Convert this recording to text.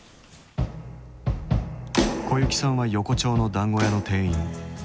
小雪さんは横町の団子屋の店員。